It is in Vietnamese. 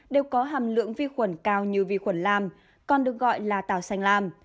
đều có hàm lượng vi khuẩn cao như vi khuẩn lam còn được gọi là tảo xanh lam